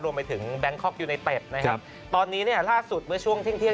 รวมไปถึงบังกอกยูไนเต็ดนะครับตอนนี้เนี่ยล่าสุดเมื่อช่วงเที่ยงเที่ยง